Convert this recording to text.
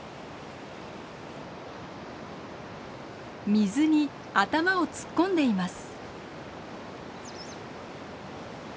水に頭を突っ込んでいます。